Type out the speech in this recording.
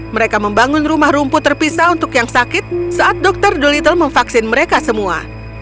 mereka membangun rumah rumput terpisah untuk yang sakit saat dokter dolittle memvaksin mereka semua